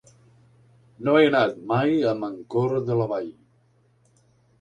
No he anat mai a Mancor de la Vall.